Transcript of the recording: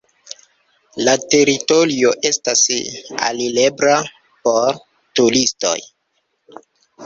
La teritorio estas alirebla por turistoj.